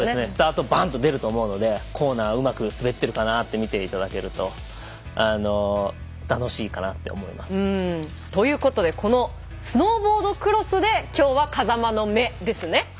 スタートバンと出ると思うのでコーナーうまく滑ってるかなと見ていただけるとということでこのスノーボードクロスできょうは「風間の目」ですね。